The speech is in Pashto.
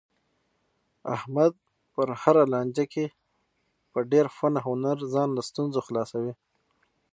احمد په هره لانجه کې په ډېر فن او هنر ځان له ستونزو خلاصوي.